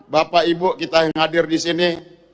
bapak ibu kita yang hadir di sini